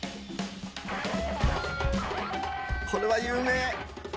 ・これは有名！